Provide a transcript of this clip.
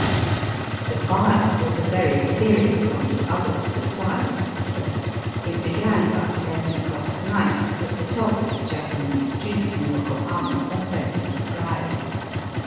The fire was a very serious one to others besides Ito. It began about eleven o'clock at night at the top of the Japanese street in Yokohama already described.